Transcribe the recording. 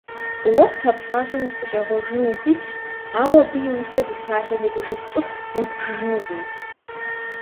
Уэ пта псалъэм ухущӀегъуэжыну ухуитщ, ауэ абы и ужькӀэ зи псалъэ тетыжыф цӀыхуу удбжыжынукъым.